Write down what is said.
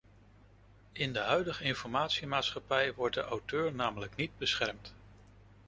In de huidige informatiemaatschappij wordt de auteur namelijk niet beschermd.